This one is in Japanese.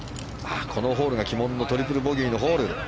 このホールが鬼門のトリプルボギーのホール。